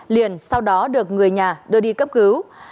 liền sau đó được người nhà đưa đi cấp cứu